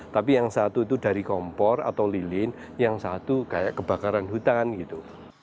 tapi yang satu itu dari kompor atau lilin yang satu kayak kebakaran hutan gitu